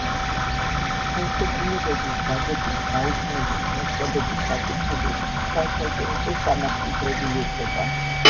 ხელშეკრულებების დადების, გაუქმების, მოქმედების საკითხები საერთაშორისო სამართლით რეგულირდება.